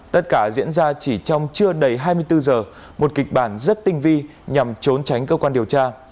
tất cả diễn ra chỉ trong chưa đầy hai mươi bốn giờ một kịch bản rất tinh vi nhằm trốn tránh cơ quan điều tra